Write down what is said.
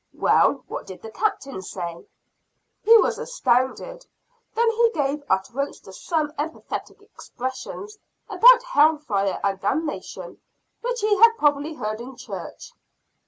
"Well, what did the Captain say?" "He was astounded. Then he gave utterance to some emphatic expressions about hell fire and damnation which he had probably heard in church."